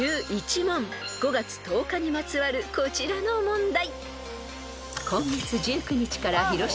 ［５月１０日にまつわるこちらの問題］